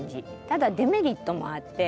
ただデメリットもあって。